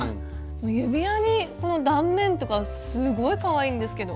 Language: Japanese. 指輪にこの断面とかすごいかわいいんですけど。